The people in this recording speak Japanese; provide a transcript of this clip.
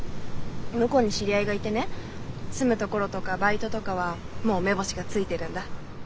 向こうに知り合いがいてね住む所とかバイトとかはもう目星がついてるんだ。